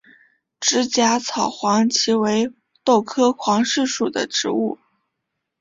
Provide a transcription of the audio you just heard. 直荚草黄耆为豆科黄芪属的植物。